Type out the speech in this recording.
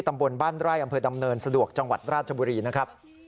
ตำบลบ้านไร่อำเภอดำเนินสะดวกจังหวัดราชบุรีนะครับ